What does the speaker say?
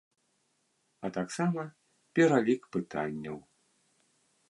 А таксама пералік пытанняў.